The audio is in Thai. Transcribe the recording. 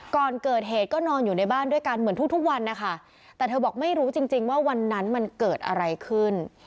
ก่อนเกิดเหตุก็นอนอยู่ในบ้านด้วยกันเหมือนทุกวันนะคะแต่เธอบอกไม่รู้จริงจริงว่าวันนั้นมันเกิดอะไรขึ้น